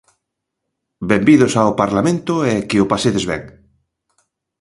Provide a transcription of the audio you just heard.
Benvidos ao Parlamento e que o pasades ben.